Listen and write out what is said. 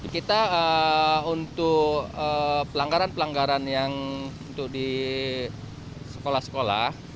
kita untuk pelanggaran pelanggaran yang untuk di sekolah sekolah